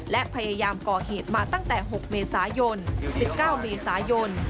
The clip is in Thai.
และพยายามก่อเหตุมาตั้งแต่๖เมษายน๑๙เมษายน